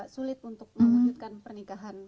sulit untuk mewujudkan pernikahan